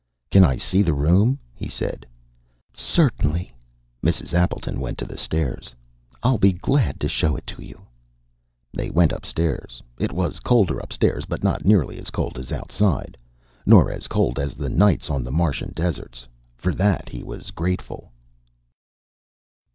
"Can I see the room?" he said. "Certainly." Mrs. Appleton went to the stairs. "I'll be glad to show it to you." They went upstairs. It was colder upstairs, but not nearly as cold as outside. Nor as cold as nights on the Martian deserts. For that he was grateful.